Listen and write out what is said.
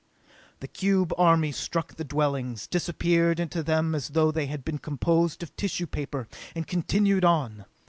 The cube army struck the dwellings, disappeared into them as though they had been composed of tissue paper, and continued on!